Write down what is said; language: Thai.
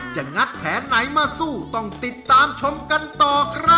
งัดแผนไหนมาสู้ต้องติดตามชมกันต่อครับ